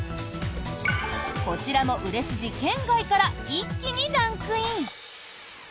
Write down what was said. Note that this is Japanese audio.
こちらも売れ筋圏外から一気にランクイン。